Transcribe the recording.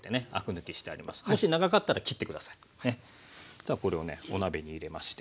さあこれをねお鍋に入れまして。